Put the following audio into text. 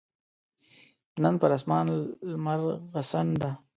نن پر اسمان لمرغسن ده